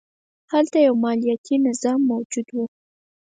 هلته یو مالیاتي نظام موجود و